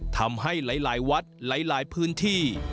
ทำให้หลายวัดหลายพื้นที่